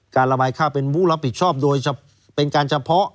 การระบายข้าวเป็นผู้รับผิดชอบโดยเป็นการเฉพาะ